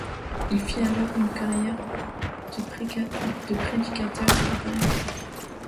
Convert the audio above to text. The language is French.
Il fit alors une carrière de prédicateur à Paris.